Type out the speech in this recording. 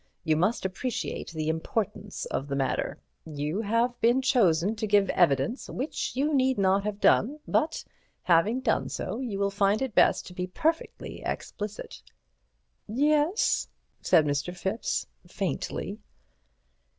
You must appreciate the importance of the matter. You have chosen to give evidence, which you need not have done, but having done so, you will find it best to be perfectly explicit." "Yes," said Mr. Thipps faintly.